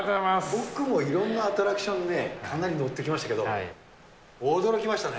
僕もいろんなアトラクションね、かなり乗ってきましたけど、驚きましたね。